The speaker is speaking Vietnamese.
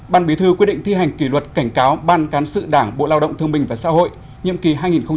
ban bí thư quyết định thi hành kỷ luật cảnh cáo ban cán sự đảng bộ lao động thương minh và xã hội nhiệm kỳ hai nghìn một mươi một hai nghìn một mươi sáu